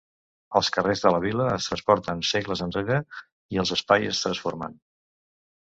Els carrers de la vila es transporten segles enrere i els espais es transformen.